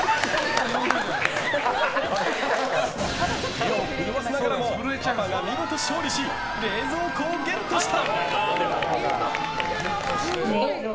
手を震わせながらもパパが見事勝利し冷蔵庫をゲットした！